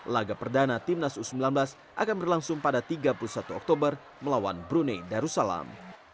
laga perdana timnas u sembilan belas akan berlangsung pada tiga puluh satu oktober melawan brunei darussalam